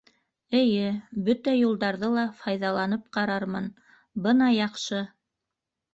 Эйе. бөтә юлдарҙы ла файҙаланып ҡарармын Бына яҡшы!